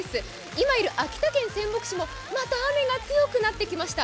今いる秋田県仙北市もまた雨が強くなってきました。